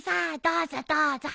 どうぞどうぞ。